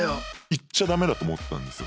言っちゃ駄目だと思ってたんですよ